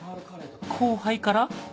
後輩から？